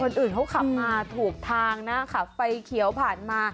คนอื่นเขาขับมาถูกทางนะขับไฟเขียวผ่านมา